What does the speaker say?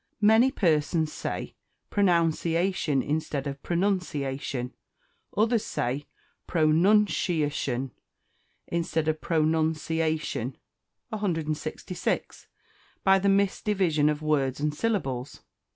Many persons say _pro_noun_ciation_ instead of pronunciation; others say pro nun' she a shun, instead of pro nun ce a shun. 166. By the Misdivision of Words and syllables.